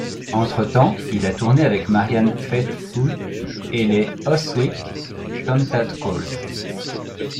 Entre-temps, il a tourné avec Marianne Faithfull et les Ozric Tentacles.